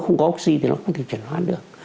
không có oxy thì nó không thể chuyển hóa được